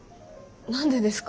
何でですか？